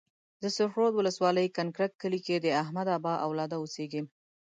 د سرخ رود ولسوالۍ کنکرک کلي کې د احمدآبا اولاده اوسيږي.